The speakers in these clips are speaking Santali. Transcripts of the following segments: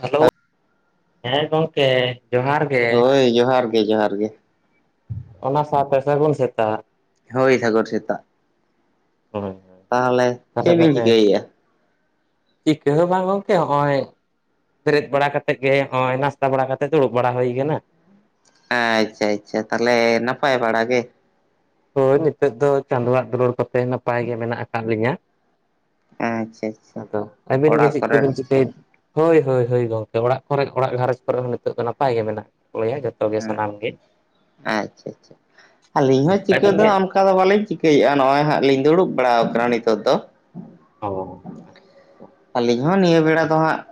ᱦᱮᱞᱳ, ᱦᱮᱸ ᱜᱚᱝᱠᱮ ᱾ ᱦᱳᱭ ᱡᱚᱦᱟᱨ ᱜᱮ ᱡᱚᱦᱟᱨ ᱜᱮ ᱾ ᱚᱱᱟ ᱥᱟᱶᱛᱮ ᱥᱟᱹᱜᱩᱱ ᱥᱮᱛᱟᱜ ᱾ ᱦᱳᱭ ᱥᱟᱜᱚᱨ ᱥᱮᱛᱟᱜ ᱾ ᱦᱳᱭ ᱦᱳᱭ ᱪᱮᱫ ᱵᱤᱱ [unintelligible] ᱪᱤᱠᱟᱹᱭᱮᱫᱼᱟ? ᱪᱤᱠᱟᱹ ᱦᱚᱸ ᱵᱟᱝ ᱜᱚᱢᱠᱮ ᱦᱚᱜᱼᱚᱭ ᱾ ᱵᱮᱨᱮᱫ ᱵᱟᱲᱟ ᱠᱟᱛᱮ ᱜᱮ ᱚᱭ ᱱᱟᱥᱛᱟ ᱵᱟᱲᱟ ᱠᱟᱛᱮ ᱫᱩᱲᱩᱵ ᱵᱟᱲᱟ ᱦᱩᱭ ᱠᱟᱱᱟ ᱾ ᱦᱮᱸ ᱟᱪᱪᱷᱟ ᱟᱪᱪᱷᱟ ᱛᱟᱞᱮ ᱱᱟᱯᱟᱭ ᱵᱟᱲᱟ ᱜᱮ ᱾ ᱦᱳᱭ ᱱᱤᱛᱚᱜ ᱫᱚ ᱪᱟᱸᱫᱳᱣᱟᱜ ᱫᱩᱞᱟᱹᱲ ᱠᱚᱛᱮ ᱱᱟᱯᱟᱭ ᱜᱮ ᱢᱮᱱᱟᱜ ᱟᱠᱟᱫ ᱞᱤᱧᱟᱹ ᱾ ᱟᱪᱪᱷᱟ ᱟᱪᱪᱷᱟ ᱟᱫᱚ ᱟᱹᱵᱤᱱ ᱜᱮ ᱚᱲᱟᱜ ᱪᱮᱜ ᱠᱚᱨᱮ ᱠᱚᱵᱤᱱ ᱪᱤᱠᱟᱹᱭ ᱾ ᱦᱳᱭ ᱦᱳᱭ ᱦᱳᱭ ᱜᱚᱢᱠᱮ ᱚᱲᱟᱜ ᱠᱚᱨᱮ ᱚᱲᱟᱜ ᱜᱷᱟᱨᱚᱸᱡᱽ ᱠᱚᱨᱮ ᱦᱚᱸ ᱱᱤᱛᱚᱜ ᱫᱚ ᱱᱟᱯᱟᱭ ᱜᱮ ᱢᱮᱱᱟᱜ ᱞᱮᱭᱟ ᱡᱚᱛᱚ ᱜᱮ ᱥᱟᱱᱟᱢ ᱜᱮ ᱾ ᱟᱪᱪᱷᱟ ᱟᱹᱞᱤᱧ ᱦᱚᱸ ᱪᱤᱠᱟᱹ ᱟᱹᱵᱤᱱ ᱫᱚ ᱜᱮ ᱚᱱ ᱠᱟ ᱫᱚ ᱵᱟᱞᱤᱧ ᱪᱤᱠᱟᱹᱭᱼᱟ ᱱᱚᱜᱼᱚᱭ ᱦᱟᱸᱜ ᱞᱤᱧ ᱫᱩᱲᱩᱵ ᱵᱟᱲᱟᱣ ᱠᱟᱱᱟ ᱱᱤᱛᱚᱜ ᱫᱚ ᱾ ᱚ᱾ [inaudible] ᱟᱹᱞᱤᱧ ᱦᱚᱸ ᱱᱤᱭᱟᱹ ᱵᱮᱲᱟ ᱫᱚ ᱦᱟᱸᱜ ᱾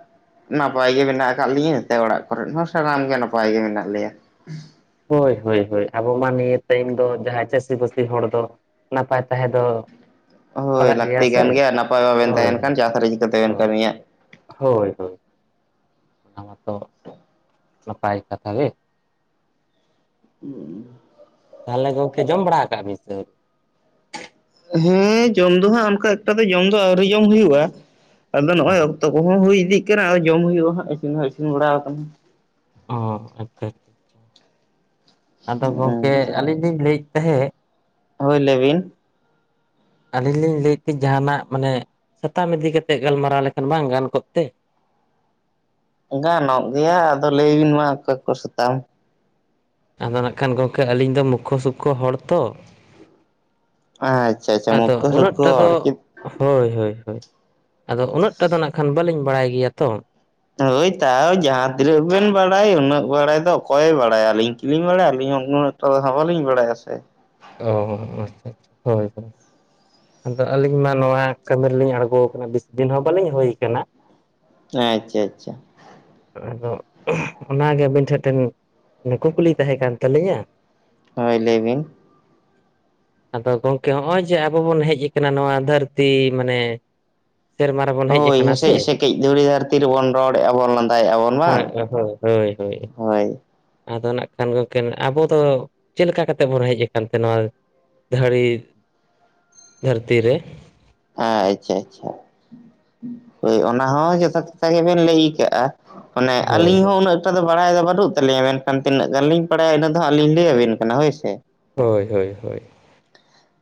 ᱱᱟᱯᱟᱭ ᱜᱮ ᱢᱮᱱᱟᱜ ᱟᱠᱟᱜ ᱞᱤᱧᱟᱹ ᱛᱮ ᱚᱲᱟᱜ ᱠᱚᱨᱮ ᱦᱚᱸ ᱥᱟᱱᱟᱢ ᱜᱮ ᱱᱟᱯᱟᱭ ᱜᱮ ᱢᱮᱱᱟᱜ ᱞᱮᱭᱟ ᱾ ᱦᱳᱭ ᱦᱳᱭ ᱦᱳᱭ ᱟᱵᱚ ᱢᱟ ᱛᱮᱱ ᱫᱚ ᱡᱟᱦᱟᱸᱭ ᱪᱟᱹᱥᱤ ᱵᱟᱹᱥᱤ ᱦᱚᱲ ᱫᱚ ᱾ ᱱᱟᱯᱟᱭ ᱛᱟᱦᱮᱸ ᱫᱚ ᱦᱳᱭ ᱞᱟᱜᱟᱜ ᱞᱟᱹᱠᱛᱤ ᱥᱮ ᱠᱟᱱᱟ ᱜᱮᱭᱟ ᱱᱟᱯᱟᱭ ᱵᱟᱵᱮᱱ ᱦᱳᱭ ᱛᱟᱦᱮᱱ ᱠᱷᱟᱱ ᱪᱟᱥ ᱨᱮ ᱪᱤᱠᱟᱹᱛᱮ ᱵᱮᱱ ᱦᱳᱭ ᱠᱟᱹᱢᱤᱭᱟ ᱾ ᱦᱳᱭ ᱦᱳᱭ ᱾ ᱚᱱᱟ ᱢᱟᱛᱚ ᱱᱟᱯᱟᱭ ᱠᱟᱛᱷᱟ ᱜᱮ ᱾ [inaudible] ᱛᱟᱞᱦᱮ ᱜᱚᱝᱠᱮ ᱡᱚᱢ ᱵᱟᱲᱟ ᱠᱟᱜ ᱟᱵᱤᱱ [inaudible] ᱦᱮᱸ ᱡᱚᱢ ᱫᱚ ᱦᱟᱸᱜ ᱚᱱᱠᱟ ᱮᱠᱴᱟ ᱫᱚ ᱡᱚᱢ ᱫᱚ ᱟᱹᱣᱨᱤ ᱡᱚᱢ ᱦᱩᱭᱩᱜᱼᱟ ᱟᱫᱚ ᱱᱚᱜᱼᱚᱭ ᱟᱹᱣᱨᱤ ᱛᱚ ᱠᱚᱦᱚᱸ ᱦᱩᱭ ᱤᱫᱤᱜ ᱠᱟᱱᱟ ᱟᱨ ᱡᱚᱢ ᱦᱩᱭᱩᱜᱼᱟ ᱦᱟᱸᱜ ᱤᱥᱤᱱ ᱦᱚᱸ ᱤᱥᱤᱱ ᱵᱟᱲᱟᱣ ᱠᱟᱱᱟ ᱾ ᱚ ᱟᱪ ᱛᱟᱛ [inaudible] ᱟᱫᱚ ᱜᱚᱝᱠᱮ ᱟᱪᱪᱷᱟ ᱟᱹᱞᱤᱧ ᱞᱤᱧ ᱞᱟᱹᱭᱮᱫ ᱛᱟᱦᱮᱸᱫ ᱾ ᱦᱳᱭ ᱞᱮᱵᱤᱱ ᱾ ᱟᱹᱞᱤᱧ ᱞᱤᱧ ᱞᱟᱹᱭᱮᱫ ᱛᱮ ᱡᱟᱦᱟᱱᱟᱜ ᱢᱟᱱᱮ ᱥᱟᱛᱟᱢ ᱤᱫᱤ ᱠᱟᱛᱮᱜ ᱜᱟᱞᱢᱟᱨᱟᱣ ᱞᱮᱠᱷᱟᱱ ᱵᱟᱝ ᱜᱟᱱ ᱠᱚᱜ ᱛᱮ? ᱜᱟᱱᱚᱜ ᱜᱮᱭᱟ ᱟᱫᱚ ᱞᱟᱹᱭ ᱵᱤᱱ ᱢᱟ ᱚᱠᱚᱭ ᱠᱚ ᱥᱮᱛᱟᱢ ᱾ ᱟᱫᱚ ᱱᱟᱜ ᱠᱷᱟᱱ ᱜᱚᱝᱠᱮ ᱟᱹᱞᱤᱧ ᱫᱚ ᱢᱩᱠᱠᱷᱚ ᱥᱩᱠᱠᱷᱚ ᱦᱚᱲ ᱛᱚ ᱾ ᱟᱪᱪᱷᱟ ᱟᱪᱪᱷᱟ ᱟᱫᱚ ᱢᱚᱠᱚᱨ ᱩᱱᱟᱹᱜᱴᱟ ᱫᱚ ᱥᱚᱠᱚᱨ ᱪᱮᱫ ᱦᱳᱭ ᱦᱳᱭ ᱦᱳᱭ ᱟᱫᱚ ᱩᱱᱟᱹᱜ ᱴᱟ ᱫᱚ ᱱᱟᱜ ᱠᱷᱟᱱ ᱵᱟᱹᱞᱤᱧ ᱵᱟᱲᱟᱭ ᱜᱮᱭᱟ ᱛᱚ ᱾ ᱦᱳᱭ ᱛᱟᱣ ᱡᱟᱦᱟᱸ ᱛᱤᱱᱟᱹᱜ ᱵᱮᱱ ᱵᱟᱲᱟᱭ ᱩᱱᱟᱹᱜ ᱵᱟᱲᱟᱭ ᱫᱚ ᱚᱠᱚᱭ ᱮ ᱵᱟᱲᱟᱭᱟ ᱟᱹᱞᱤᱧ ᱠᱤᱞᱤᱧ ᱵᱟᱲᱟᱭᱟ ᱟᱹᱞᱤᱧ ᱦᱚᱸ ᱩᱱᱟᱹᱜ ᱴᱚᱰᱟ ᱦᱟᱸ ᱵᱟᱹᱞᱤᱧ ᱵᱟᱲᱟᱭᱟ ᱥᱮ ᱾ ᱚ ᱟᱪᱪᱷᱟ ᱟᱪᱪᱷᱟ ᱦᱳᱭ ᱦᱳᱭ ᱾ ᱟᱫᱚ ᱟᱹᱞᱤᱧ ᱢᱟ ᱱᱚᱣᱟ ᱠᱟᱹᱢᱤ ᱨᱮᱞᱤᱧ ᱟᱬᱜᱚ ᱠᱟᱱᱟ ᱵᱤᱥ ᱫᱤᱱ ᱦᱚᱸ ᱵᱟᱹᱞᱤᱧ ᱦᱩᱭ ᱠᱟᱱᱟ ᱾ [unintelligible] ᱪᱟ ᱪᱟ᱾ ᱟᱫᱚ [unintelligible] ᱚᱱᱟᱜᱮ ᱟᱹᱵᱤᱱ ᱴᱷᱮᱱ ᱴᱷᱮᱱ ᱠᱩᱠᱞᱤ ᱛᱟᱦᱮ ᱠᱟᱱ ᱛᱟᱞᱤᱧᱟ ᱾ ᱦᱳᱭ ᱞᱟᱹᱭ ᱵᱤᱱ? ᱟᱫᱚ ᱜᱚᱝᱠᱮ ᱦᱚᱜᱼᱚᱭ ᱡᱮ ᱟᱵᱚ ᱵᱚᱱ ᱦᱮᱡ ᱟᱠᱟᱱᱟ ᱱᱚᱣᱟ ᱫᱷᱟᱹᱨᱛᱤ ᱢᱟᱱᱮ ᱥᱮᱨᱢᱟ ᱨᱮᱵᱚᱱ ᱦᱮᱡ ᱦᱳᱭ ᱟᱠᱟᱱᱟ ᱦᱮᱸᱥᱮᱡ ᱥᱮ ᱥᱮᱠᱮᱡ ᱫᱷᱩᱲᱤ ᱫᱷᱟᱹᱨᱛᱤ ᱨᱮᱵᱚᱱ ᱨᱚᱲᱮᱜᱼᱟ ᱵᱚᱱ ᱞᱟᱸᱫᱟᱭᱮᱫᱼᱟᱵᱚᱱ ᱵᱟᱝ ᱦᱳᱭ ᱾ ᱦᱳᱭ ᱦᱳᱭ ᱟᱫᱚ ᱱᱟᱜ ᱠᱷᱟᱱ ᱜᱚᱢᱠᱮ ᱟᱵᱚ ᱫᱚ ᱪᱮᱞᱠᱟ ᱠᱟᱛᱮᱫ ᱵᱚᱱ ᱦᱮᱡ ᱠᱟᱱᱛᱮ ᱱᱚᱣᱟ ᱫᱷᱟᱹᱲᱤ ᱫᱷᱟᱹᱨᱛᱤ ᱨᱮ ᱾ ᱟ ᱟᱪᱷᱟ ᱟᱪᱷᱟ ᱾ ᱦᱳᱭ ᱚᱱᱟ ᱦᱚᱸ ᱡᱚᱛᱷᱟᱛ ᱠᱟᱛᱷᱟ ᱜᱮᱵᱤᱱ ᱞᱮᱭ ᱠᱟᱜᱼᱟ ᱢᱟᱱᱮ ᱦᱳᱭ ᱟᱹᱞᱤᱧ ᱦᱚᱸ ᱩᱱᱟᱹᱜ ᱴᱟᱜ ᱫᱚ ᱵᱟᱲᱟᱭ ᱫᱚ ᱵᱟᱹᱱᱩᱜ ᱛᱟᱞᱤᱧᱟ ᱢᱮᱱᱠᱷᱟᱱ ᱛᱤᱱᱟᱹᱜ ᱜᱟᱱ ᱞᱤᱧ ᱵᱟᱲᱟᱭᱟ ᱤᱱᱟᱹ ᱫᱚ ᱦᱟᱜ ᱟᱞᱤᱧ ᱞᱟᱹᱭᱟᱵᱤᱱ ᱠᱟᱱᱟ ᱦᱳᱭ ᱥᱮ ᱾ ᱦᱳᱭ ᱦᱳᱭ ᱦᱳᱭ ᱾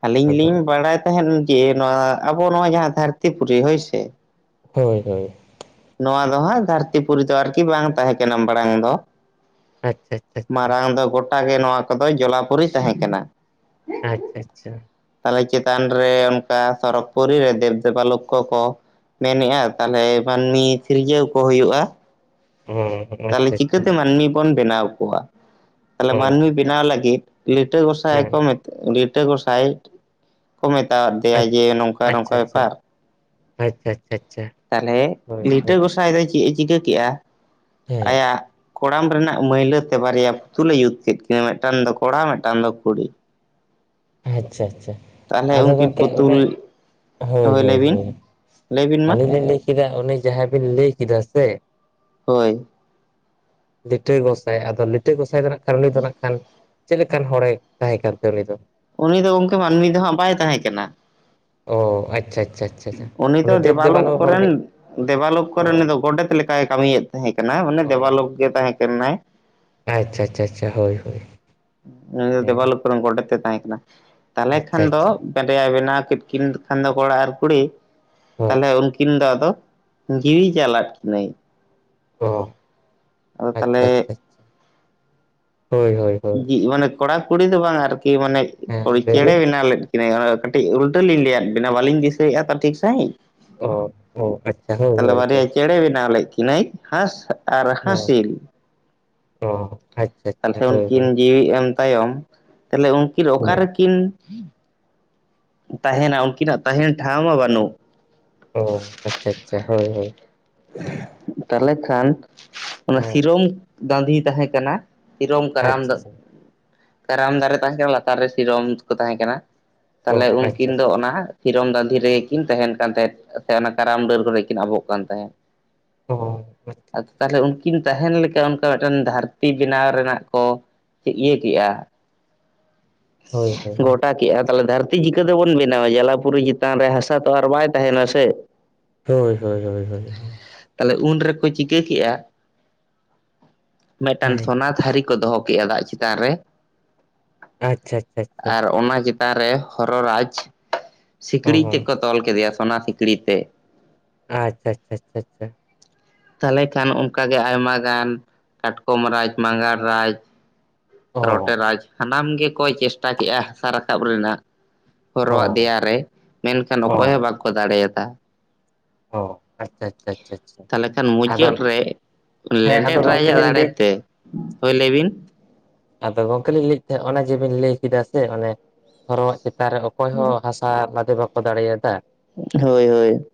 ᱟᱹᱞᱤᱧ ᱞᱤᱧ ᱵᱟᱲᱟᱭ ᱛᱟᱦᱮᱸᱫ ᱡᱮ ᱱᱚᱣᱟ ᱟᱵᱚ ᱱᱚᱣᱟ ᱡᱟᱦᱟᱸ ᱫᱷᱟᱹᱨᱛᱤ ᱯᱩᱨᱤ ᱦᱳᱭ ᱥᱮ ᱦᱳᱭ ᱦᱳᱭ ᱱᱚᱣᱟ ᱫᱚ ᱦᱟᱸᱜ ᱫᱷᱟᱹᱨᱛᱤ ᱯᱩᱨᱤ ᱫᱚ ᱟᱨᱠᱤ ᱵᱟᱝ ᱛᱟᱦᱮᱸ ᱠᱟᱱᱟ ᱢᱟᱲᱟᱝ ᱫᱚ ᱟᱪᱪᱷᱟ ᱟᱪᱪᱷᱟ ᱢᱟᱨᱟᱝ ᱫᱚ ᱜᱚᱴᱟ ᱜᱮ ᱱᱚᱣᱟ ᱠᱚᱫᱚ ᱡᱚᱞᱟᱯᱩᱨᱤ ᱛᱟᱦᱮᱸᱠᱟᱱᱟ᱾ ᱦᱩᱸ ᱟᱪᱪᱷᱟ ᱛᱟᱦᱚᱞᱮ ᱪᱮᱛᱟᱱ ᱨᱮ ᱚᱱᱠᱟ ᱥᱚᱨᱚᱜᱽ ᱯᱩᱨᱤ ᱨᱮ ᱫᱮᱵᱽᱼ ᱫᱮᱵᱟ ᱞᱚᱠᱷᱚ ᱠᱚ ᱠᱚ ᱢᱮᱱᱮᱜᱼᱟ ᱛᱟᱦᱚᱞᱮ ᱢᱟᱹᱱᱢᱤ ᱥᱤᱨᱡᱟᱹᱣ ᱠᱚ ᱦᱩᱭᱩᱜᱼᱟ᱾ ᱦᱮᱸ ᱛᱟᱦᱚᱞᱮ ᱪᱤᱠᱟᱹᱛᱮ ᱢᱟᱹᱱᱢᱤ ᱵᱚᱱ ᱵᱮᱱᱟᱣ ᱠᱚᱣᱟᱺ ᱛᱟᱦᱚᱞᱮ ᱚ ᱢᱟᱹᱱᱢᱤ ᱵᱮᱱᱟᱣ ᱞᱟᱹᱜᱤᱫ ᱞᱤᱴᱟᱹ ᱜᱚᱸᱥᱟᱭ ᱠᱚ ᱦᱮᱸ ᱢᱮᱛ ᱞᱤᱴᱟᱹ ᱜᱚᱸᱥᱟᱭ ᱠᱚ ᱢᱮᱛᱟ ᱫᱮᱭᱟ ᱡᱮ ᱱᱚᱝᱠᱟ ᱱᱚᱝᱠᱟ ᱟᱪᱪᱷᱟ ᱟᱪᱪᱷᱟ ᱵᱮᱯᱟᱨ ᱟᱪᱪᱷᱟ ᱟᱪᱪᱷᱟ ᱟᱪᱪᱷᱟ ᱛᱟᱦᱚᱞᱮ ᱦᱳᱭ ᱞᱤᱴᱟᱹ ᱦᱳᱭ ᱜᱚᱸᱥᱟᱭ ᱫᱚ ᱪᱮᱫ ᱮ ᱪᱤᱠᱟᱹ ᱠᱮᱜᱼᱟ ᱦᱮᱸ ᱟᱭᱟᱜ ᱠᱚᱲᱟᱢ ᱨᱮᱱᱟᱜ ᱢᱟᱹᱭᱞᱟᱹ ᱛᱮ ᱵᱟᱨᱭᱟ ᱯᱩᱛᱩᱞᱮ ᱡᱩᱛ ᱠᱮᱫ ᱠᱤᱱᱟᱹ ᱢᱤᱫᱴᱟᱱ ᱫᱚ ᱠᱚᱲᱟ ᱢᱤᱫᱴᱟᱝ ᱫᱚ ᱠᱩᱲᱤ ᱟᱪᱪᱷᱟ ᱟᱪᱪᱷᱟ ᱛᱟᱦᱚᱞᱮ ᱟᱫᱚ ᱩᱱᱠᱤᱱ ᱜᱚᱝᱠᱮ ᱯᱩᱛᱩᱞ ᱚᱱᱮ ᱦᱳᱭ ᱦᱳᱭ ᱞᱟᱹᱭ ᱵᱤᱱ ᱦᱳᱭ ᱞᱟᱹᱭ ᱵᱤᱱ ᱢᱟ ᱟᱹᱞᱤᱧ ᱞᱤᱧ ᱞᱟᱹᱭ ᱠᱮᱫᱟ ᱩᱱᱤ ᱡᱟᱦᱟᱸᱭ ᱵᱤᱱ ᱞᱟᱹᱭ ᱠᱮᱫᱟ ᱥᱮ ᱦᱳᱭ ᱞᱤᱴᱟᱹ ᱜᱚᱸᱥᱟᱭ ᱟᱫᱚ ᱞᱤᱴᱟᱹ ᱜᱚᱸᱥᱟᱭ ᱫᱚ ᱱᱟᱜ ᱠᱷᱟᱱ ᱩᱱᱤ ᱫᱚ ᱱᱟᱜ ᱠᱷᱟᱱ, ᱪᱮᱫ ᱞᱮᱠᱟᱱ ᱦᱚᱲᱮ ᱛᱟᱦᱮᱸ ᱠᱟᱱ ᱛᱟᱦᱮ ᱠᱟᱱ ᱛᱮ ᱩᱱᱤ ᱫᱚ ᱩᱱᱤ ᱫᱚ ᱜᱚᱢᱠᱮ ᱢᱟᱹᱱᱢᱤ ᱫᱚᱦᱟᱸᱜ ᱵᱟᱭ ᱛᱟᱦᱮᱸ ᱠᱟᱱᱟ᱾ ᱚ ᱟᱪᱪᱷᱟ ᱟᱪᱪᱷᱟ ᱟᱪᱪᱷᱟ ᱟᱪᱪᱷᱟ ᱩᱱᱤ ᱫᱚ ᱫᱮᱵ ᱫᱮᱵᱟᱞᱳᱠ ᱫᱮᱵᱟᱞᱳ ᱦᱚᱲ ᱠᱚᱨᱮᱱ ᱜᱮ ᱫᱮᱵᱟᱞᱳᱠ ᱚ ᱠᱚᱨᱮᱱ ᱩᱱᱤ ᱫᱚ ᱜᱚᱰᱮᱛ ᱞᱮᱠᱟᱭ ᱠᱟᱹᱢᱤᱭᱮᱫ ᱛᱟᱦᱮᱸ ᱠᱟᱱᱟ ᱢᱟᱱᱮ ᱚ ᱫᱮᱵᱟᱞᱳᱠ ᱜᱮ ᱛᱟᱦᱮᱸ ᱠᱟᱱᱟᱭ ᱟᱪᱪᱷᱟ ᱟᱪᱪᱷᱟ ᱟᱪᱪᱷᱟ ᱦᱳᱭ ᱦᱳᱭ ᱩᱱᱤ ᱫᱚ ᱦᱮᱸ ᱫᱮᱵᱟᱞᱳᱠ ᱠᱚᱨᱮᱱ ᱜᱚᱰᱮᱛ ᱛᱮ ᱛᱟᱦᱮᱸ ᱠᱟᱱᱟ ᱛᱟᱦᱚᱞᱮ ᱟᱪᱪᱷᱟ ᱠᱷᱟᱱ ᱫᱚ ᱟᱪᱪᱷᱟ ᱠᱟᱫᱮᱭᱟ ᱵᱮᱱᱟᱣ ᱠᱮᱫ ᱠᱤᱱ ᱠᱷᱟᱱ ᱫᱚ ᱠᱚᱲᱟ ᱟᱨ ᱠᱩᱲᱤ ᱦᱚᱸ ᱛᱟᱦᱚᱞᱮ ᱩᱱᱠᱤᱱ ᱫᱚ ᱟᱫᱚ ᱡᱤᱭᱤ ᱪᱟᱞᱟ ᱠᱤᱱᱟᱭ ᱚ ᱟᱫᱚ ᱟᱪᱪᱷᱟ ᱛᱟᱦᱚᱞᱮ ᱟᱪᱪᱷᱟ ᱟᱪᱪᱷᱟ ᱦᱳᱭ ᱦᱳᱭ ᱦᱳᱭ ᱡᱤ ᱢᱟᱱᱮ ᱠᱚᱲᱟ ᱠᱩᱲᱤ ᱫᱚ ᱵᱟᱝ ᱟᱨᱠᱤ ᱢᱟᱱᱮ ᱦᱮᱸ ᱞᱟᱹᱭ ᱪᱮᱬᱮ ᱵᱤᱱ ᱵᱮᱱᱟᱣ ᱞᱮ ᱠᱟᱹᱴᱤᱡ ᱩᱞᱴᱟᱹ ᱞᱤᱧ ᱞᱮᱹᱭᱟᱫ ᱵᱮᱤᱱᱟ ᱵᱟᱞᱤᱧ ᱫᱤᱥᱟᱹᱭᱮᱫᱼᱟ ᱛᱚ ᱴᱷᱤᱠ ᱥᱟᱺᱦᱤᱡ ᱚ ᱚ ᱟᱪᱪᱷᱟ ᱦᱳᱭ ᱛᱟᱦᱚᱞᱮ ᱦᱳᱭ ᱦᱳᱭ ᱵᱟᱨᱭᱟ ᱪᱮᱬᱮ ᱵᱮᱱᱟᱣ ᱞᱮᱫ ᱠᱤᱱᱟᱹᱭ ᱦᱟᱸᱥ ᱟᱨ ᱦᱮᱸ ᱦᱟᱸᱥᱤᱞ ᱚ ᱟᱪ ᱛᱟᱦᱚᱞᱮ ᱩᱱᱠᱤᱱ ᱡᱤᱣᱤ ᱮᱢ ᱛᱟᱭᱚᱢ ᱛᱟᱦᱚᱞᱮ ᱩᱱᱠᱤᱱ ᱚ ᱚᱠᱟᱨᱮ ᱠᱤᱱ ᱛᱟᱦᱮᱱᱟ ᱩᱱᱠᱤᱱᱟᱜ ᱛᱟᱦᱮᱱ ᱴᱷᱟᱶ ᱢᱟ ᱵᱟᱹᱱᱩᱜ ᱟᱪᱪᱷᱟ ᱟᱪᱪᱷᱟ ᱦᱳᱭ ᱦᱳᱭ ᱛᱟᱦᱚᱞᱮ ᱠᱷᱟᱱ ᱚᱱᱟ ᱦᱮᱸ ᱥᱤᱨᱚᱢ ᱫᱟᱸᱫᱷᱤ ᱛᱟᱦᱮᱸ ᱠᱟᱱᱟ᱾ ᱥᱤᱨᱚᱢ ᱠᱟᱨᱟᱢ ᱟᱪᱪᱷᱟ ᱟᱪᱪᱷᱟ ᱠᱟᱨᱟᱢ ᱫᱟᱨᱮ ᱛᱟᱦᱮᱸ ᱠᱟᱱᱟ ᱞᱟᱛᱟᱨ ᱨᱮ ᱥᱤᱨᱚᱢ ᱠᱚ ᱛᱟᱦᱮᱸ ᱠᱟᱱᱟ᱾ ᱚ ᱛᱟᱦᱚᱞᱮ ᱟᱪᱪᱷᱟ ᱩᱱᱠᱤᱱ ᱫᱚ ᱟᱪᱪᱷᱟ ᱚᱱᱟ ᱛᱤᱨᱚᱢ ᱫᱟᱸᱫᱷᱤ ᱨᱮᱜᱮ ᱠᱤᱱ ᱛᱟᱦᱮᱱ ᱠᱟᱱ ᱛᱟᱦᱮᱸᱫ ᱥᱮ ᱚᱱᱟ ᱠᱟᱨᱟᱢ ᱰᱟᱹᱨ ᱠᱚᱨᱮ ᱠᱤᱱ ᱟᱵᱚᱜ ᱠᱟᱱ ᱛᱟᱦᱮᱸᱫ ᱚᱼᱼ ᱟᱨ ᱛᱟᱞᱦᱮ ᱩᱱᱠᱤᱱ ᱛᱟᱦᱮᱱ ᱞᱮᱠᱟ ᱚᱱᱠᱟ ᱢᱤᱫᱴᱮᱱ ᱫᱷᱟᱹᱨᱛᱤ ᱵᱮᱱᱟᱣ ᱨᱮᱱᱟᱜ ᱠᱚ ᱤᱭᱟᱹ ᱠᱮᱜᱼᱟ ᱦᱳᱭ ᱦᱳᱭ ᱜᱚᱴᱟ ᱠᱮᱜᱼᱟ ᱛᱟᱞᱦᱮ ᱫᱷᱟᱹᱨᱛᱤᱼᱼ ᱤᱱᱠᱟᱹ ᱛᱮᱵᱚᱱ ᱵᱮᱱᱟᱣᱟ ᱡᱟᱞᱟᱯᱩᱨᱤ ᱪᱮᱛᱟᱱ ᱨᱮ ᱦᱟᱥᱟ ᱛᱚ ᱟᱨ ᱵᱟᱭ ᱛᱟᱦᱮᱱᱟ ᱥᱮ ᱦᱳᱭ- ᱦᱳᱭ -ᱦᱳᱭ -ᱦᱳᱭ ᱾ ᱛᱟᱞᱦᱮ ᱩᱱ ᱨᱮᱠᱚ ᱪᱤᱠᱟᱹ ᱠᱮᱜᱼᱟ? ᱴᱷᱟᱝ-ᱴᱷᱚᱜ ᱢᱤᱫᱴᱟᱝ ᱦᱮᱸ ᱥᱚᱱᱟ ᱛᱷᱟᱹᱨᱤ ᱠᱚ ᱫᱚᱦᱚ ᱠᱮᱜ-ᱟ ᱫᱟᱜ ᱪᱮᱛᱟᱱ ᱨᱮ ᱟᱪᱪᱷᱟ -ᱟᱪᱪᱷᱟ -ᱪᱷᱟᱪ ᱾ ᱟᱨ ᱚᱱᱟ ᱪᱮᱛᱟᱱ ᱨᱮ ᱦᱚᱨᱚ ᱨᱟᱡᱽ ᱚ ᱥᱤᱠ-ᱲᱤᱡ ᱛᱮᱠᱚᱼᱼ ᱛᱚᱞ ᱠᱮᱫᱮᱭᱟ ᱥᱚᱱᱟ ᱥᱤᱠᱲᱤ ᱛᱮ ᱟᱪᱪᱷᱟ -ᱪᱷᱟ -ᱪᱷᱟ -ᱪᱷᱟ ᱾ ᱛᱟᱞᱦᱮ ᱠᱷᱟᱱ ᱚᱱᱠᱟᱜᱮ ᱟᱭᱢᱟ ᱜᱟᱱ ᱠᱟᱴᱠᱚᱢ ᱨᱟᱡᱽ ᱢᱟᱜᱟᱲ ᱨᱟᱡᱽ ᱚ ᱨᱚᱴᱮᱨᱟᱡᱽ ᱥᱟᱱᱟᱢ ᱜᱮᱠᱚ ᱪᱮᱥᱴᱟ ᱠᱮᱜᱼᱟᱦ ᱦᱟᱥᱟ ᱨᱟᱠᱟᱵ ᱨᱮᱱᱟᱜ ᱚ ᱦᱚᱨᱚᱣᱟᱜ ᱫᱮᱭᱟ ᱨᱮ ᱢᱮᱱᱠᱷᱟᱱ ᱚ ᱚᱠᱚᱭ ᱦᱚᱸ ᱵᱟᱠᱚ ᱫᱟᱲᱮᱭᱟᱫᱟ ᱾ ᱚ ᱟᱪᱪᱷᱟ ᱟᱪᱪᱷᱟ ᱟᱪᱪᱷᱟ ᱯ-ᱪᱚᱜ-ᱥᱟ ᱟᱪᱪᱷᱟ ᱛᱟᱞᱦᱮ ᱠᱷᱟᱱ ᱟᱫᱚ ᱢᱩᱪᱟᱹᱫ ᱨᱮ ᱦᱮᱸ ᱟᱫᱚ ᱞᱮᱸᱰᱮᱫ ᱨᱟᱡᱽ ᱜᱚᱝᱠᱮ ᱟᱜ ᱞᱤᱧ ᱫᱟᱲᱮ ᱞᱟᱹᱭ ᱛᱮ, ᱦᱳᱭ ᱞᱟᱹᱭ ᱵᱤᱱ ᱟᱫᱚ ᱜᱚᱝᱠᱮ ᱞᱤᱧ ᱞᱟᱹᱭᱮᱫ ᱛᱟᱦᱮᱸᱫ ᱚᱱᱮ ᱡᱮᱵᱤᱱ ᱞᱟᱹᱭ ᱠᱮᱫᱟ ᱥᱮ ᱚᱱᱮ ᱦᱚᱨᱚᱣᱟᱜ ᱪᱮᱛᱟᱱ ᱨᱮ ᱚᱠᱚᱭ ᱦᱚᱸ ᱦᱟᱥ ᱟ ᱞᱟᱫᱮᱹ ᱵᱟᱠᱚ ᱫᱟᱲᱮᱹᱭᱟᱫᱟ ᱯᱪᱟᱜ, ᱦᱳᱭ- ᱦᱳᱭ ᱾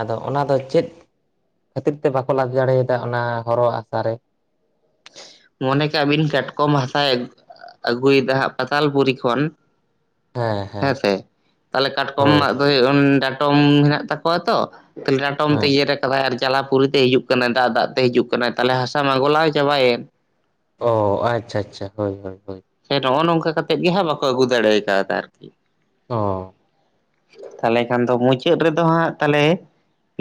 ᱟᱫᱚ ᱚᱱᱟ ᱫᱚ ᱪᱮᱫ ᱠᱷᱟᱹᱛᱤᱨ ᱛᱮ ᱵᱟᱠᱚ ᱞᱟᱫᱮ ᱫᱟᱲᱮᱭᱟᱫᱟ ᱚᱱᱟ ᱦᱚᱨᱚᱣᱟᱜ ᱦᱟᱥᱟ ᱨᱮ? ᱢᱚᱱᱮ ᱠᱟᱜ ᱵᱤᱱ ᱠᱟᱴᱠᱚᱢ ᱦᱟᱥᱟᱭ ᱟᱜ-ᱟᱹᱜᱩᱭᱮᱫᱟ ᱦᱟᱸᱜ ᱯᱟᱛᱟᱞᱯᱩᱨᱤ ᱠᱷᱚᱱ ᱦᱮᱸ ᱦᱮᱸ ᱦᱮᱸᱥᱮ ᱛᱟᱞᱦᱮ ᱦᱳᱭ ᱠᱟᱴᱠᱚᱢᱟᱜ ᱫᱚ ᱦᱳᱭ ᱩᱢ- ᱰᱟᱴᱚᱢ ᱢᱮᱱᱟᱜ ᱛᱟᱠᱚᱣᱟ ᱛᱚ ᱛᱟᱦᱞᱮ ᱰᱟᱴᱚᱢ ᱛᱮ ᱦᱮᱸ ᱤᱭᱟᱹ ᱨᱮᱠ ᱟᱭ ᱟᱨ ᱡᱟᱞᱟᱯᱩᱨᱤᱛᱮ ᱦᱤᱡᱩᱜ ᱠᱟᱱᱟᱭ ᱫᱟᱜ ᱫᱟᱜ ᱛᱮ ᱦᱤᱡᱩᱜ ᱠᱟᱱᱟᱭ ᱛᱟᱦᱞᱮ ᱦᱟᱥᱟ ᱢᱟ ᱜᱚᱞᱟᱣ ᱪᱟᱵᱟᱭᱮᱱ ᱚ ᱟᱪᱪᱷᱟ- ᱟᱪᱪᱷᱟ ᱦᱳᱭ- ᱦᱳᱭ- ᱦᱳᱭ ᱾ ᱦᱮᱹᱴ ᱱᱚᱜᱼᱚ ᱱᱚᱝᱠᱟ ᱠᱟᱛᱮᱜ ᱜᱮ ᱦᱟᱸᱜ ᱵᱟᱠᱚ ᱟᱹᱜᱩ ᱫᱟᱲᱮ ᱠᱟᱣᱫᱟ ᱟᱨᱠᱤ ᱾ ᱚᱻ ᱾ ᱛᱟᱞᱦᱮ ᱠᱷᱟᱱ ᱫᱚ ᱢᱩᱪᱟᱹᱫ ᱨᱮᱫᱚ ᱦᱟᱸᱜ ᱛᱟᱞᱦᱮ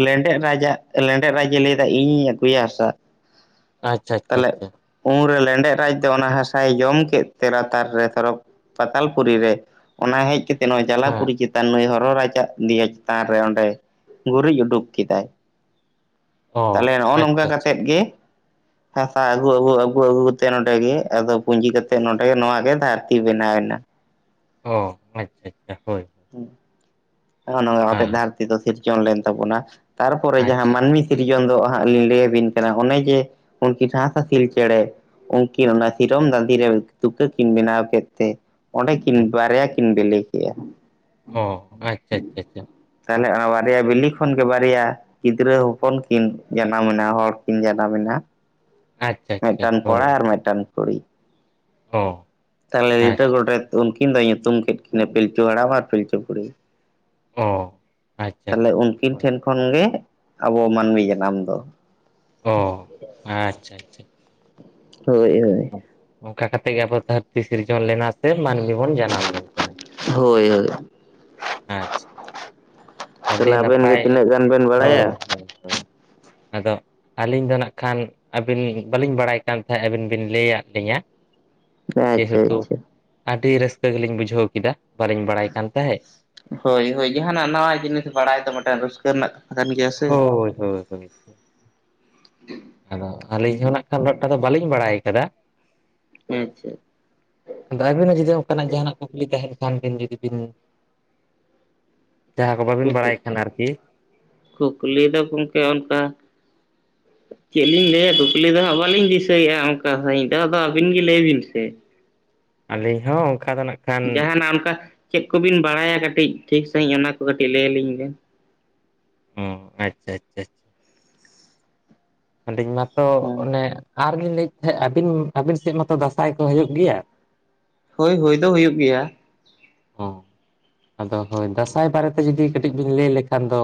ᱞᱮᱸᱰᱮᱫ ᱨᱟᱡᱽᱟᱜ ᱞᱮᱸᱰᱮᱫ ᱨᱟᱡᱽ ᱮ ᱞᱟᱹᱭ ᱫᱟ ᱤᱧᱤᱧ ᱟᱹᱜᱩᱭᱟ ᱦᱟᱥᱟ ᱟᱪᱪᱷᱟ ᱟᱪᱷᱟ ᱛᱟᱦᱚᱞᱮ ᱟᱪᱷᱟ ᱾ ᱩᱱᱨᱮ ᱞᱮᱸᱰᱮᱫ ᱨᱟᱡᱽ ᱫᱚ ᱚᱱᱟ ᱦᱟᱥᱟᱭ ᱡᱚᱢ ᱠᱮᱫᱼᱼ ᱛᱮ ᱞᱟᱛᱟᱨ ᱨᱮ ᱥᱚᱨᱚᱠ ᱯᱟᱛᱟᱞᱯᱩᱨᱤ ᱨᱮ ᱚᱱᱟ ᱦᱮᱡ ᱠᱮᱛᱮ ᱱᱚᱜᱼᱚᱭ ᱦᱮᱸ ᱡᱟᱞᱟᱯᱩᱨᱤ ᱪᱮᱛ -ᱼ ᱟᱨ ᱱᱩᱭ ᱦᱚᱨᱚ ᱨᱟᱡᱽᱟᱜ ᱫᱮᱭᱟ ᱪᱮᱛᱟᱱ ᱨᱮ ᱚᱸᱰᱮᱭ ᱜᱩᱨᱤᱡ ᱩᱰᱩᱠ ᱠᱮᱫᱟᱭ ᱛᱟᱦᱞᱮ ᱚ ᱱᱚᱜᱼᱚ ᱱᱚᱝᱠᱟ ᱟᱪᱪᱷᱟ ᱟᱪᱪᱷᱟ ᱠᱟᱛᱮᱫ ᱜᱮ ᱦᱟᱥᱟ ᱟᱹᱜᱩ -ᱟᱹᱜᱩ -ᱟᱹᱜᱩ ᱼᱟᱹᱜᱩ ᱛᱮ ᱱᱚᱰᱮ ᱜᱮ ᱟᱫᱚ ᱯᱩᱸᱡᱤ ᱠᱟᱛᱮᱫ ᱼᱼ ᱥᱮ ᱱᱚᱰᱮ ᱜᱮ ᱱᱚᱣᱟ ᱜᱮ ᱫᱷᱟᱹᱨᱛᱤ ᱵᱮᱱᱟᱣ ᱮᱱᱟ᱾ ᱚ ᱟᱪ-ᱪᱷᱟ ᱟᱪ-ᱪᱷᱟ ᱾ ᱦᱩ, ᱱᱚᱜ-ᱚ ᱱᱚᱣᱟ ᱛᱮ ᱦᱮᱸ ᱫᱷᱟᱹᱨᱛᱤ ᱫᱚ ᱥᱤᱨᱡᱚᱱ ᱞᱮᱱ ᱛᱟᱵᱚᱱᱟ ᱛᱟᱨᱯᱚᱨᱮ ᱡᱟᱦᱟᱸ ᱟᱪᱪᱷᱟ ᱟᱪᱪᱷᱟ ᱢᱟᱹᱱᱢᱤ ᱥᱤᱨ ᱤᱡᱚᱱ ᱫᱚ ᱦᱟᱸᱜ ᱞᱤᱧ ᱞᱟᱹᱭ ᱟᱵᱤᱱ ᱠᱟᱱᱟ ᱚᱱᱮ ᱡᱮ ᱩᱱᱠᱤᱱ ᱦᱟᱸᱥᱼᱦᱟᱸᱥᱤᱞ ᱪᱮᱸᱬᱮ ᱩᱱᱠᱤᱱ ᱚᱱᱟ ᱥᱤᱨᱚᱢ ᱫᱟᱸᱫᱷᱤᱨᱮ ᱛᱩᱠᱟᱹ ᱠᱤᱱ ᱵᱮᱱᱟᱣ ᱠᱮᱫ ᱛᱮ ᱚᱸᱰᱮᱠᱤᱱ ᱦᱮᱸ ᱵᱟᱨᱭᱟ ᱠᱤᱱ ᱵᱮᱹᱞᱮᱹ ᱠᱮᱜᱼᱟ ᱚ ᱟᱪ-ᱪᱷᱟ -ᱟᱪᱷᱟ -ᱟᱪᱷᱟ ᱾ ᱛᱟᱦᱞᱮ ᱚᱱᱟ ᱵᱟᱨᱭᱟ ᱵᱤᱞᱤ ᱠᱷᱚᱱ ᱜᱮ ᱵᱟᱨᱭᱟ ᱜᱤᱫᱽᱨᱟᱹ ᱦᱚᱯᱚᱱ ᱠᱤᱱ ᱡᱟᱱᱟᱢᱱᱟ ᱦᱚᱲᱠᱤᱱ ᱡᱟᱱᱟᱢᱱᱟ ᱟᱪᱪᱷᱟ ᱟᱪᱪᱷᱟ ᱟᱪᱪᱷᱟ ᱢᱤᱫᱴᱟᱱ ᱠᱚᱲᱟ ᱟᱨ ᱢᱤᱫᱴᱟᱱ ᱠᱩᱲᱤ ᱚᱻ ᱾ ᱛᱟᱦᱞᱮ ᱞᱤᱴᱟᱹ ᱜᱚᱰᱮᱛ‌ ᱩᱱᱠᱤᱱ ᱫᱚᱭ ᱧᱩᱛᱩᱢ ᱠᱮᱫ ᱠᱤᱱᱟᱹ ᱯᱤᱞᱪᱩ ᱦᱟᱲᱟᱢ ᱟᱨ ᱯᱤᱞᱪᱩ ᱵᱩᱲᱦᱤ᱾ ᱚ ᱟᱪᱪᱷᱟ ᱛᱟᱦᱞᱮ ᱟᱪᱪᱷᱟ ᱩᱱᱠᱤᱱ ᱦᱳᱭ ᱴᱷᱮᱱ ᱠᱷᱚᱱ ᱜᱮ ᱟᱵᱚ ᱢᱟᱱᱢᱤ ᱡᱟᱱᱟᱢ ᱫᱚ᱾ ᱚ ᱟᱪᱪᱷᱟ ᱟᱪᱪᱷᱟ ᱦᱳᱭ ᱦᱳᱭ᱾ ᱚᱱᱠᱟ ᱠᱟᱛᱮᱜ ᱜᱮ ᱟᱵᱚ ᱫᱷᱟᱹᱨᱛᱤ ᱥᱤᱨᱡᱚᱱ ᱞᱮᱱᱟ ᱥᱮ ᱢᱟᱹᱱᱢᱤ ᱵᱚᱱ ᱡᱟᱱᱟᱢ ᱞᱮᱱ ᱛᱮ᱾ ᱦᱳᱭ ᱦᱳᱭ ᱟᱪᱷᱟ ᱟᱹᱰᱤ ᱛᱟᱦᱚᱞᱮ ᱟᱵᱮᱱ ᱜᱮ ᱱᱟᱯᱟᱭ ᱛᱤᱱᱟᱹᱜ ᱜᱟᱱ ᱵᱮᱱ ᱦᱳᱭ ᱵᱟᱲᱟᱭᱟ [inaudible] ᱟᱫᱚ ᱟᱹᱞᱤᱧ ᱫᱚ ᱱᱟᱜ ᱠᱷᱟᱱ ᱟᱹᱵᱤᱱ ᱵᱟᱹᱞᱤᱧ ᱵᱟᱲᱟᱭ ᱠᱟᱱ ᱛᱟᱦᱮᱸᱫ ᱟᱹᱵᱤᱱ ᱵᱤᱱ ᱞᱟᱹᱭᱟᱫ ᱞᱤᱧᱟᱹ ᱟᱪᱪᱷᱟ ᱡᱮᱦᱮᱛᱩ ᱟᱪᱪᱷᱟ ᱟᱹᱰᱤ ᱨᱟᱹᱥᱠᱟᱹ ᱜᱮᱞᱤᱧ ᱵᱩᱡᱷᱟᱹᱣ ᱠᱮᱫᱟ ᱵᱟᱹᱞᱤᱧ ᱵᱟᱲᱟᱭ ᱠᱟᱱ ᱛᱟᱦᱮᱸᱫ᱾ ᱦᱳᱭ ᱦᱳᱭ ᱡᱟᱦᱟᱱᱟᱜ ᱱᱟᱣᱟ ᱡᱤᱱᱤᱥ ᱵᱟᱲᱟᱭ ᱫᱚ ᱢᱤᱫᱴᱟᱝ ᱨᱟᱹᱥᱠᱟᱹ ᱨᱮᱱᱟᱜ ᱠᱟᱱ ᱜᱮᱭᱟ ᱥᱮ ᱦᱳᱭ ᱦᱳᱭ ᱦᱭ ᱟᱫᱚ ᱟᱹᱞᱤᱧ ᱦᱚᱸ ᱱᱟᱜ ᱠᱷᱟᱱ ᱩᱱᱟᱹᱜ ᱴᱟᱜᱫᱚ ᱵᱟᱹᱞᱤᱧ ᱵᱟᱲᱟᱭ ᱠᱟᱫᱟ ᱟᱪᱷᱟ ᱟᱫᱚ ᱟᱹᱵᱤᱱᱟᱜ ᱡᱩᱫᱤ ᱚᱱᱠᱟᱱᱟᱜ ᱡᱟᱦᱟᱱᱟᱜ ᱠᱩᱠᱞᱤ ᱛᱟᱦᱮᱱ ᱠᱷᱟᱱ ᱵᱤᱱ ᱡᱩᱫᱤ ᱵᱤᱱ ᱡᱟᱦᱟᱸ ᱠᱚ ᱵᱟᱹᱵᱤᱱ ᱵᱟᱲᱟᱭ ᱠᱷᱟᱱ ᱟᱨᱠᱤ ᱠᱩᱠᱞᱤ ᱫᱚ ᱜᱚᱝᱠᱮ ᱚᱱᱠᱟ ᱪᱮᱫ ᱞᱤᱧ ᱞᱟᱹᱭᱟ ᱠᱩᱠᱞᱤ ᱫᱚ ᱵᱟᱹᱞᱤᱧ ᱫᱤᱥᱟᱹᱭᱮᱫ-ᱟ ᱚᱱᱠᱟ ᱦᱚᱭ ᱫᱚ ᱟᱫᱚ ᱟᱹᱵᱤᱱ ᱜᱮ ᱞᱟᱹᱭ ᱵᱤᱱ ᱥᱮ᱾ ᱟᱹᱞᱤᱧ ᱦᱚᱸ ᱚᱱᱠᱟ ᱫᱚ ᱱᱟᱜ ᱠᱷᱟᱱ ᱡᱟᱦᱟᱱᱟᱜ ᱚᱱᱠᱟ ᱪᱮᱫ ᱠᱚᱵᱤᱱ ᱵᱟᱲᱟᱭᱟ ᱚᱱᱟ ᱠᱟᱹᱴᱤᱡ ᱴᱷᱤᱠ ᱥᱟᱹᱦᱤᱡ ᱚᱱᱟ ᱠᱚ ᱠᱟᱹᱴᱤᱡ ᱞᱟᱹᱭ ᱟᱹᱞᱤᱧ ᱵᱮᱱ ᱦᱚᱸ ᱟᱪᱪᱷᱟ ᱟᱪᱪᱷᱟ ᱟᱪᱷᱟ ᱟᱫᱟᱹᱧ ᱢᱟᱛᱚ ᱦᱮᱸ ᱚᱱᱮ ᱟᱨ ᱞᱤᱧ ᱞᱟᱹᱭᱮᱫ ᱛᱟᱦᱮᱸᱫ ᱟᱵᱤᱱ ᱟᱹᱵᱤᱱ ᱥᱮᱫ ᱢᱟᱛᱚ ᱫᱟᱥᱟᱭ ᱠᱚ ᱦᱩᱭᱩᱜ ᱜᱮᱭᱟ? ᱦᱳᱭ ᱦᱳᱭ ᱫᱚ ᱦᱩᱭᱩᱜ ᱜᱮᱭᱟ᱾ ᱚ ᱟᱫᱚ ᱦᱳᱭ ᱫᱟᱸᱥᱟᱭ ᱵᱟᱨᱮᱛᱮ ᱡᱩᱫᱤ ᱠᱟᱹᱴᱤᱡ ᱵᱤᱱ ᱞᱟᱹᱭ ᱞᱮᱠᱷᱟᱱ ᱫᱚ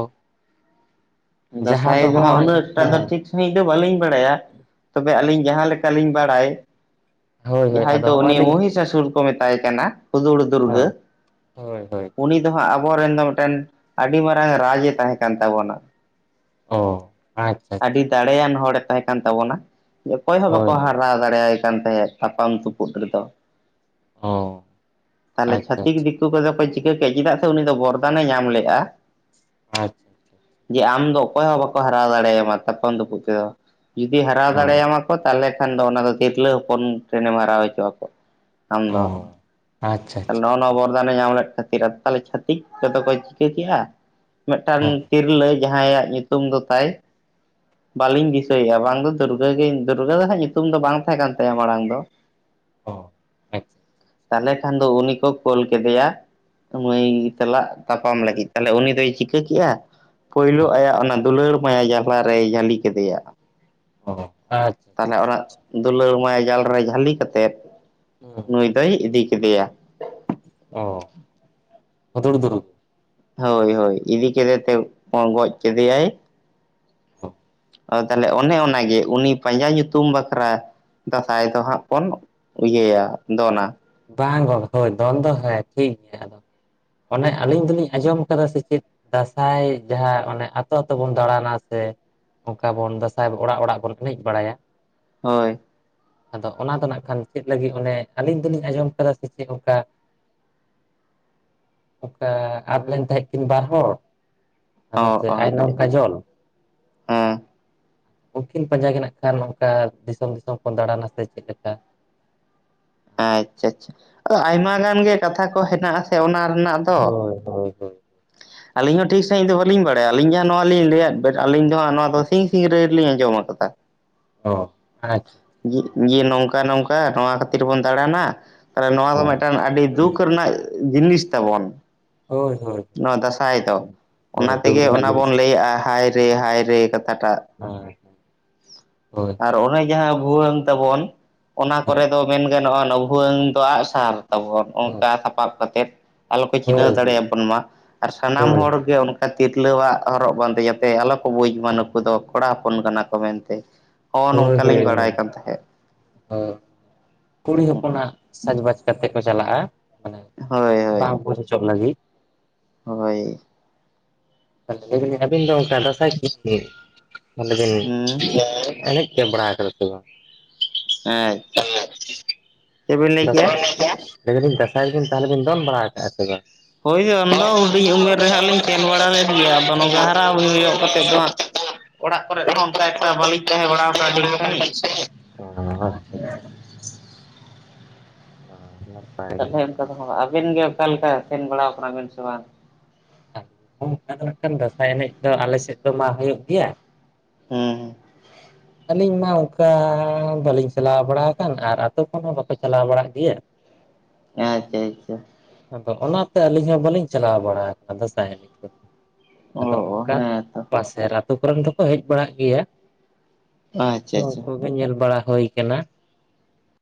ᱡᱟᱦᱟᱸ ᱫᱟᱸᱥᱟᱭ ᱫᱚ ᱦᱟᱸᱜ ᱦᱚᱸᱜᱼᱚᱭ ᱩᱱᱟᱹᱜ ᱴᱟᱜ ᱫᱚ ᱦᱮᱸ ᱴᱷᱤᱠ ᱥᱟᱺᱦᱤᱡ ᱫᱚ ᱵᱟᱹᱞᱤᱧ ᱵᱟᱲᱟᱭᱟ ᱛᱚᱵᱮ ᱟᱹᱞᱤᱧ ᱡᱟᱦᱟᱸ ᱞᱮᱠᱟᱞᱤᱧ ᱵᱟᱲᱟᱭ ᱦᱳᱭ ᱦᱳᱭ ᱡᱟᱦᱟᱸᱭ ᱟᱫᱚ ᱫᱚ ᱦᱚᱸᱜᱼᱚᱭ ᱩᱱᱤ ᱞᱤᱧ ᱢᱚᱦᱤᱥᱟᱥᱩᱨ ᱠᱚ ᱢᱮᱛᱟᱭ ᱠᱟᱱᱟ ᱦᱩᱫᱩᱲ ᱫᱩᱨᱜᱟᱹ ᱦᱮᱸ ᱩᱱᱤ ᱦᱳᱭ ᱦᱳᱭ ᱩᱱᱤ ᱫᱚ ᱦᱟᱸᱜ ᱟᱵᱚᱨᱮᱱ ᱫᱚ ᱢᱤᱫᱴᱮᱱ ᱟᱹᱰᱤ ᱢᱟᱨᱟᱝ ᱨᱟᱡᱽ ᱮ ᱛᱟᱦᱮᱸ ᱠᱟᱱ ᱛᱟᱵᱚᱱᱟ᱾ ᱚ ᱟᱪ ᱟᱹᱰᱤ ᱫᱟᱲᱮᱭᱟᱱ ᱦᱚᱲᱮ ᱛᱟᱦᱮᱸ ᱠᱟᱱ ᱛᱟᱵᱚᱱᱟ ᱚᱠᱚᱭ ᱦᱚᱸ ᱵᱟᱠᱚ ᱦᱳᱭ ᱦᱟᱨᱟᱣ ᱫᱟᱲᱮᱭᱟᱭ ᱠᱟᱱ ᱛᱟᱦᱮᱸᱫ ᱛᱟᱯᱟᱢ ᱛᱩᱯᱩᱫ ᱨᱮᱫᱚ ᱚ ᱛᱟᱦᱚᱞᱮ ᱟᱪᱪᱷᱟ ᱪᱷᱟᱹᱛᱤᱠ ᱟᱪᱪᱷᱟ ᱫᱤᱠ ᱠᱩ ᱠᱚᱫᱚ ᱠᱚ ᱪᱤᱠᱟᱹ ᱠᱮᱫ-ᱟ ᱪᱮᱫᱟᱜ ᱥᱮ ᱩᱱᱤ ᱫᱚ ᱵᱚᱨᱫᱟᱱᱮ ᱧᱟᱢ ᱞᱮᱫ-ᱟ᱾ ᱟᱪᱷ ᱡᱮ ᱟᱢ ᱫᱚ ᱚᱠᱚᱭ ᱦᱚᱸ ᱵᱟᱠᱚ ᱦᱟᱨᱟᱣ‌ ᱫᱟᱲᱮᱭᱟᱢᱟ ᱛᱟᱯᱚᱢ ᱛᱩᱯᱩᱫᱩ ᱛᱮᱫᱚ᱾ ᱡᱩᱫᱤ ᱦᱟᱨᱟᱣ ᱚ ᱫᱟᱲᱮᱭᱟᱢᱟ ᱠᱚ ᱛᱟᱦᱚᱞᱮ ᱠᱷᱟᱱ ᱫᱚ ᱚᱱᱟ ᱫᱚ ᱛᱤᱨᱞᱟᱹ ᱦᱚᱯᱚᱱ ᱴᱮᱱᱮᱢ ᱦᱟᱨᱟᱣ ᱦᱚᱪᱚ-ᱟ ᱠᱚ ᱟᱢ ᱚ ᱫᱚ ᱟᱪᱪᱷᱟ ᱟᱪᱪᱷᱟ ᱱᱚᱜ ᱟᱪᱪᱷᱟ ᱱᱚᱣᱟ ᱵᱚᱨᱫᱟᱱᱮ ᱧᱟᱢ ᱞᱮᱫ ᱠᱷᱟᱹᱛᱤᱨ ᱛᱟᱦᱚᱞᱮ ᱪᱷᱟᱹᱛᱤᱠ ᱠᱚᱫᱚ ᱠᱚ ᱪᱤᱠᱟᱹ ᱠᱮᱜ-ᱟ ᱢᱤᱫᱴᱟᱱ ᱦᱮᱸ ᱛᱤᱨᱞᱟᱹ ᱡᱟᱸᱦᱟᱭᱟᱜ ᱧᱩᱛᱩᱢ ᱫᱚ ᱛᱟᱭ ᱵᱟᱹᱞᱤᱧ ᱫᱤᱥᱟᱹᱭᱮᱫ-ᱟ ᱵᱟᱝ ᱫᱚ ᱫᱩᱨᱜᱟᱹ ᱜᱮ? ᱫᱩᱨᱜᱟᱹ ᱫᱚ ᱦᱟᱸᱜ ᱧᱩᱛᱩᱢ ᱫᱚ ᱵᱟᱝ ᱛᱟᱦᱮᱸ ᱠᱟᱱ ᱛᱟᱭᱟ ᱢᱟᱲᱟᱝ ᱫᱚ᱾ ᱚ ᱦᱮ ᱛᱟᱦᱚᱞᱮ ᱠᱷᱟᱱ ᱫᱚ ᱩᱱᱤ ᱠᱚ ᱠᱳᱞ ᱠᱮᱫᱮᱭᱟ ᱢᱟᱹᱭ ᱪᱟᱞᱟᱜ ᱛᱟᱯᱟᱢ ᱞᱟᱜᱤᱫ ᱛᱟᱦᱞᱮ ᱩᱱᱤ ᱫᱚᱭ ᱪᱤᱠᱟᱹ ᱠᱮᱜ-ᱟ ᱦᱮᱸ ᱯᱳᱭᱞᱳ ᱚ ᱟᱭᱟᱜ ᱚᱱᱟ ᱫᱩᱞᱟᱹᱲ ᱢᱟᱭᱟ ᱡᱟᱞᱟ ᱨᱮᱭ ᱡᱷᱟᱹᱞᱤ ᱠᱮᱫᱮᱭᱟ᱾ ᱚ ᱟᱪ ᱛᱟᱦᱚᱞᱮ ᱚᱱᱟ ᱫᱩᱞᱟᱹᱲ ᱢᱟᱭᱟ ᱡᱟᱞ ᱨᱮ ᱡᱷᱟᱹᱞᱤ ᱠᱟᱛᱮᱫ ᱦᱩᱸ ᱱᱩᱭ ᱫᱚᱭ ᱤᱫᱤ ᱠᱮᱫᱮᱭᱟ᱾ ᱚ ᱦᱩᱫᱩᱲ ᱫᱩᱨ ᱦᱳᱭ ᱦᱳᱭ ᱤᱫᱤ ᱠᱮᱫᱮᱛᱮᱢ ᱜᱚᱡ ᱠᱮᱫᱮᱭᱟᱭ᱾ ᱚ ᱚ ᱛᱟᱦᱚᱞᱮ ᱚᱱᱮ ᱟᱪᱪᱷᱟ ᱚᱱᱟᱜᱮ ᱩᱱᱤ ᱯᱟᱸᱡᱟ ᱧᱩᱛᱩᱢ ᱵᱟᱠᱷᱨᱟ ᱫᱟᱸᱥᱟᱭ ᱫᱚ ᱦᱟᱸᱜ ᱵᱚᱱ ᱤᱭᱟᱹᱭᱟ ᱫᱚᱱᱟ᱾ ᱵᱟᱝ ᱜᱚᱱ ᱦᱳᱭ ᱫᱚᱱ ᱫᱚ ᱦᱮᱸ ᱴᱷᱤᱠ ᱜᱮᱭᱟ ᱟᱫᱚ ᱚᱱᱮ ᱟᱹᱞᱤᱧ ᱫᱚ ᱞᱤᱧ ᱟᱸᱡᱚᱢ ᱠᱟᱫᱟ ᱥᱮ ᱪᱮᱫ ᱫᱟᱸᱥᱟᱭ ᱡᱟᱦᱟᱸ ᱚᱱᱮ ᱟᱛᱳ ᱟᱛᱳ ᱵᱚᱱ ᱫᱟᱬᱟᱱᱟ ᱥᱮ ᱚᱝᱠᱟ ᱵᱚᱱ ᱫᱟᱸᱥᱟᱭ ᱚᱲᱟᱜ ᱚᱲᱟᱜ ᱵᱚᱱ ᱮᱱᱮᱡ ᱵᱟᱲᱟᱭᱟ ᱾ ᱦᱳᱭ ᱾ ᱟᱫᱚ ᱚᱱᱟ ᱫᱚ ᱱᱟᱜᱠᱷᱟᱱ ᱪᱮᱫ ᱞᱟᱹᱜᱤᱫ ᱚᱱᱮ ᱟᱹᱞᱤᱧ ᱫᱚ ᱞᱤᱧ ᱟᱡᱚᱢ ᱠᱟᱫᱟ ᱥᱮ ᱪᱮᱫ ᱚᱱᱠᱟ ᱚᱝᱠᱟ ᱟᱫ ᱞᱮᱱ ᱛᱟᱦᱮᱫ ᱞᱮᱱ ᱠᱤᱱ ᱵᱟᱨ ᱦᱚᱲ ᱟᱫᱚ ᱚ ᱥᱮ ᱟᱭᱱᱚᱢ ᱟᱪᱪᱷᱟ ᱠᱟᱡᱚᱞ ᱦᱮᱸ ᱩᱝᱠᱤᱱ ᱯᱟᱸᱡᱟ ᱜᱮ ᱱᱟᱜ ᱠᱷᱟᱱ ᱱᱚᱝᱠᱟ ᱫᱤᱥᱚᱢ ᱫᱤᱥᱚᱢ ᱵᱚᱱ ᱫᱟᱬᱟᱱᱟ ᱥᱮ ᱪᱮᱫ ᱞᱮᱠᱟ? ᱟᱪᱷᱟ ᱟᱪᱷᱟ ᱟᱫᱚ ᱟᱭᱢᱟ ᱜᱟᱱ ᱜᱮ ᱠᱟᱛᱷᱟ ᱠᱚ ᱦᱮᱱᱟᱜ ᱟᱥᱮ ᱚᱱᱟ ᱨᱮᱱᱟᱜ ᱫᱚ ᱾ ᱦᱳᱭ ᱦᱳᱭ ᱦᱳᱭ ᱟᱹᱞᱤᱧ ᱦᱚᱸ ᱴᱷᱤᱠ ᱥᱟᱦᱤᱡ ᱫᱚ ᱵᱟᱞᱤᱧ ᱵᱟᱲᱟᱭᱟ ᱟᱹᱞᱤᱧ ᱡᱟᱦᱟᱸ ᱱᱚᱣᱟ ᱞᱤᱧ ᱞᱟᱹᱭᱟᱜ ᱵᱮᱱ ᱟᱞᱤᱧ ᱫᱚ ᱱᱚᱣᱟ ᱫᱚ ᱥᱤᱧ ᱟᱪᱪᱷᱟ ᱟᱪᱪᱷᱟ ᱥᱤᱝᱨᱟᱹᱭ ᱨᱮ ᱞᱤᱧ ᱟᱸᱡᱚᱢ ᱟᱠᱟᱫᱟ ᱾ ᱚ ᱟᱪᱷᱟ᱾ ᱡᱮ ᱱᱚᱝᱠᱟ ᱱᱚᱝᱠᱟ ᱱᱚᱣᱟ ᱠᱷᱟᱹᱛᱤᱨ ᱵᱚᱱ ᱫᱟᱬᱟᱱᱟ ᱾ ᱟᱫᱚ ᱱᱚᱣᱟ ᱫᱚ ᱚ ᱢᱤᱫᱴᱟᱱ ᱟᱹᱰᱤ ᱫᱩᱠ ᱨᱮᱱᱟᱜ ᱡᱤᱱᱤᱥ ᱛᱟᱵᱚᱱ᱾ ᱦᱳᱭ ᱦᱳᱭ ᱱᱚᱣᱟ ᱫᱟᱥᱟᱭ ᱫᱚ ᱚᱱᱟ ᱦᱳᱭ ᱫᱩᱠ ᱛᱮᱜᱮ ᱨᱮᱱᱟᱜ ᱚᱱᱟ ᱡᱤᱱᱤᱥ ᱵᱚᱱ ᱠᱟᱱ ᱜᱮᱭᱟ ᱞᱟᱹᱭᱮᱜᱼᱟ ᱦᱟᱭ ᱦᱟᱭ ᱨᱮ ᱦᱟᱭ ᱨᱮ ᱠᱟᱛᱷᱟ ᱴᱟᱜ ᱾ [inaudible] ᱟᱨ ᱚᱱᱮ ᱡᱟᱦᱟᱸ ᱵᱷᱩᱣᱟᱹᱝ ᱛᱟᱵᱚᱱ ᱚᱱᱟ ᱦᱳᱭ ᱠᱚᱨᱮ ᱫᱚ ᱢᱮᱱ ᱜᱟᱱᱚᱜᱼᱟ ᱚᱱᱟ ᱵᱷᱩᱣᱟᱹᱝ ᱫᱚ ᱟᱜ ᱥᱟᱨ ᱛᱟᱵᱚᱱ ᱚᱝᱠᱟ ᱥᱟᱯᱟᱵ ᱠᱟᱛᱮ ᱮᱫ ᱟᱞᱚ ᱠᱚ ᱦᱳᱭ ᱪᱤᱱᱦᱟᱹᱣ ᱦᱳᱭ ᱫᱟᱲᱮᱭᱟ ᱵᱚᱱ ᱢᱟ ᱟᱨ ᱥᱟᱱᱟᱢ ᱦᱳᱭ ᱦᱚᱲᱜᱮ ᱚᱱᱠᱟ ᱛᱤᱨᱞᱟᱹᱣᱟᱜ ᱦᱚᱨᱚᱜ ᱵᱟᱸᱫᱮ ᱟᱛᱮ ᱟᱞᱚ ᱠᱚ ᱵᱩᱡᱽ ᱢᱟ ᱱᱩᱠᱩ ᱫᱚ ᱠᱚᱲᱟ ᱦᱚᱯᱚᱱ ᱠᱟᱱᱟ ᱠᱚ ᱢᱮᱱᱛᱮ ᱾ ᱦᱳᱭ ᱦᱳᱭ ᱦᱳᱭ ᱦᱳ ᱠᱩᱲᱤ ᱦᱚᱯᱚᱱ ᱱᱟᱜ ᱥᱟᱡᱽᱵᱟᱡᱽ ᱠᱟᱛᱮ ᱠᱚ ᱪᱟᱞᱟᱜᱼᱟ ᱢᱟᱱᱮ ᱦᱳᱭ ᱦᱳᱭ ᱵᱟᱝ ᱵᱩᱡᱽ ᱦᱚᱪᱚᱜ ᱞᱟᱹᱜᱤᱫ ᱦᱳᱭ ᱾ [inaudible] ᱵᱟᱲᱟ ᱦᱩᱸ ᱠᱟᱫᱟ ᱥᱮ ᱵᱟᱝ? [inaudible] ᱵᱤᱱ [unintelligible] ᱞᱟᱹᱭ ᱠᱮᱜᱼᱟ? ᱞᱟᱭ ᱫᱟᱞᱤᱧ ᱫᱟᱸᱥᱟᱭ ᱵᱤᱱ ᱛᱟᱦᱚᱞᱮ ᱵᱤᱱ ᱫᱚᱱ ᱵᱟᱲᱟ ᱠᱟᱜᱼᱟ ᱥᱮ ᱵᱟᱝ? ᱦᱚᱭ ᱫᱚᱱ ᱫᱚ ᱦᱩᱰᱤᱧ ᱩᱢᱮᱨ ᱨᱮ ᱦᱟᱸᱜ ᱞᱤᱧ ᱥᱮᱱ ᱵᱟᱲᱟ ᱞᱮᱱ ᱜᱮᱭᱟ ᱟᱫᱚ ᱱᱚᱝᱠᱟ ᱦᱟᱨᱟ ᱵᱩᱨᱩ ᱧᱚᱜ ᱠᱟᱛᱮᱫ ᱫᱚ ᱦᱟᱸᱜ ᱚᱲᱟᱜ ᱠᱚᱨᱮ ᱦᱚᱸ ᱚᱱᱠᱟ ᱮᱠᱴᱟ ᱵᱟᱹᱞᱤᱧ ᱛᱟᱦᱮᱸ ᱵᱟᱲᱟᱣ ᱟᱠᱟᱱᱟ ᱴᱷᱤᱠ ᱥᱟᱦᱤᱡ ᱾ [unintelligible] [unintelligible] [unintelligible] ᱟᱵᱤᱱᱜ ᱚᱠᱟ ᱞᱮᱠᱟ ᱥᱮᱱ ᱵᱟᱲᱟ ᱠᱟᱱᱟᱵᱤᱱ ᱥᱮ ᱵᱟᱝ? [inaudible] ᱞᱮᱠᱷᱟᱱ ᱫᱟᱸᱥᱟᱭ ᱮᱱᱮᱡ ᱫᱚ ᱟᱞᱮ ᱥᱮᱫ ᱫᱚ ᱢᱟ ᱦᱩᱭᱩᱜ ᱜᱮᱭᱟ᱾ ᱦᱩᱸ ᱾ [unintelligible] ᱟᱹᱞᱤᱧ ᱢᱟ ᱚᱝᱠᱟ ᱵᱟᱹᱞᱤᱧ ᱪᱟᱞᱟᱣ ᱵᱟᱲᱟ ᱠᱟᱱ ᱟᱨ ᱟᱛᱳ ᱠᱷᱚᱱ ᱦᱚᱸ ᱵᱟᱠᱚ ᱪᱟᱞᱟᱣ ᱵᱟᱲᱟᱜ ᱜᱮᱭᱟ ᱾ [unintelligible] ᱟᱪᱷᱟ ᱟᱪᱷᱟ ᱾ ᱟᱫᱚ ᱚᱱᱟᱛᱮ ᱟᱹᱞᱤᱧ ᱦᱚᱸ ᱵᱟᱹᱞᱤᱧ ᱪᱟᱞᱟᱣ ᱵᱟᱲᱟ ᱠᱟᱱᱟ ᱫᱟᱸᱥᱟᱭ ᱮᱱᱮᱡ ᱫᱚ ᱾ ᱟᱫᱚ ᱚ ᱚᱝᱠᱟ ᱦᱮᱸ ᱛᱚ ᱯᱟᱥᱮᱨ ᱟᱹᱛᱳ ᱠᱚᱨᱮᱱ ᱫᱚᱠᱚ ᱦᱮᱡ ᱵᱟᱲᱟᱜ ᱜᱮᱭᱟ ᱾ ᱟᱫᱚ ᱟᱪᱪᱷᱟ ᱟᱪᱪᱷᱟ ᱩᱱᱠᱩ ᱜᱮ ᱧᱮᱞ ᱵᱟᱲᱟ ᱦᱩᱭ ᱠᱟᱱᱟ᱾